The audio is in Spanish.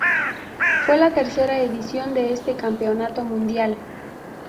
Fue la tercera edición de este campeonato mundial.